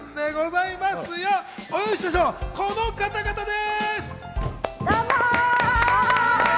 お呼びしましょう、この方々です！